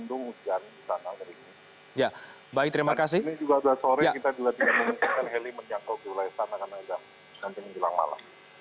ini juga sudah sore kita juga tidak menginginkan heli menjangkau ke wilayah sana karena ada nanti menjelang malam